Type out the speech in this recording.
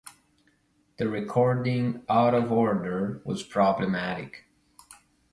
The recording of "Out of Order" was problematic.